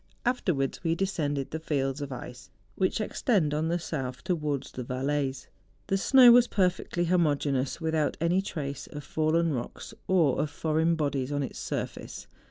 Afterwards we descended the fields of ice which extend on the south towards the Valais. The snow was perfectly homogeneous, without any trace of fallen rocks, or of foreign bodies on its surface.